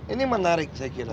ini menarik saya kira